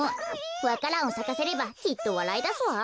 わか蘭をさかせればきっとわらいだすわ。